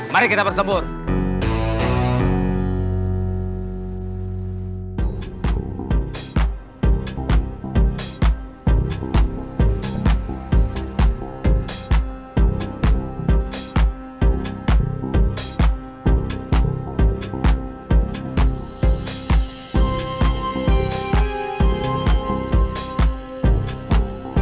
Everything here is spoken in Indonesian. mari kita bersambung